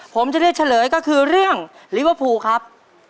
ผมจะเลือกเฉลยก็คือเรื่องลิเวอร์พูลครับ